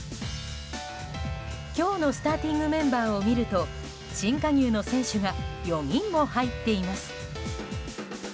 今日のスターティングメンバーを見ると新加入の選手が４人も入っています。